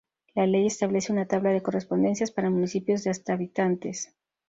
La ley establece una tabla de correspondencias para municipios de hasta habitantes.